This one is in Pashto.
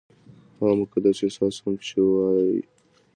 هغه مقدس احساس هم چې وايي-